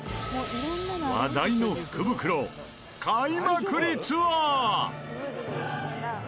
話題の福袋買いまくりツアー